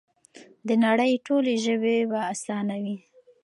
د نړۍ ټولې ژبې به اسانې وي؛